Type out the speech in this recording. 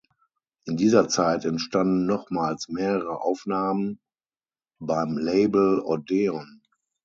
In dieser Zeit entstanden nochmals mehrere Aufnahmen beim Label Odeon.